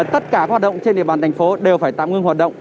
tất cả hoạt động trên địa bàn tp đều phải tạm ngưng hoạt động